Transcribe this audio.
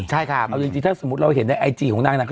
ใช่ครับเอาจริงถ้าสมมุติเราเห็นในไอจีของนางนาง